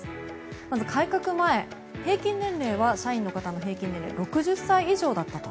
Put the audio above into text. まず、改革前社員の方の平均年齢は６０歳以上だったと。